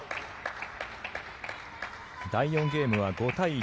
第４ゲームは５対１